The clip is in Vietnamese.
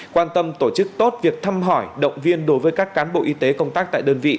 quan tâm tổ chức tốt việc thăm hỏi động viên đối với các cán bộ y tế công tác tại đơn vị